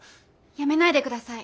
やめないで下さい。